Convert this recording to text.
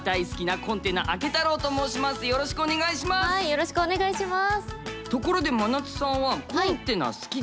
よろしくお願いします！